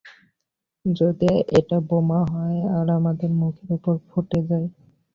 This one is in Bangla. যদি এটা বোমা হয় আর আমাদের মুখের ওপর ফেটে যায়?